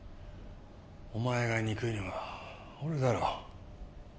お前が憎いのは俺だろ？